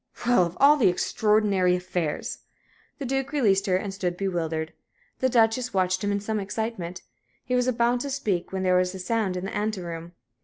"Well, of all the extraordinary affairs!" The Duke released her, and stood bewildered. The Duchess watched him in some excitement. He was about to speak, when there was a sound in the anteroom.